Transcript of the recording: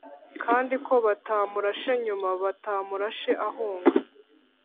kandi ko batamurashe inyuma batamurashe ahunga